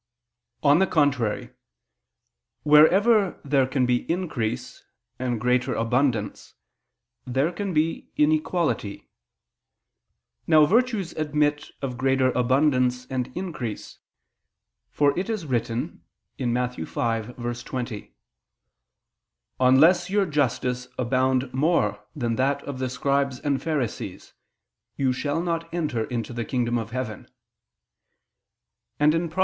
On the contrary, Wherever there can be increase and greater abundance, there can be inequality. Now virtues admit of greater abundance and increase: for it is written (Matt. 5:20): "Unless your justice abound more than that of the Scribes and Pharisees, you shall not enter into the kingdom of heaven": and (Prov.